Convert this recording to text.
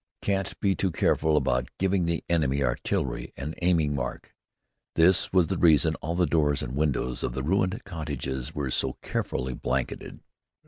Can't be too careful about giving the enemy artillery an aiming mark. This was the reason all the doors and windows of the ruined cottages were so carefully blanketed.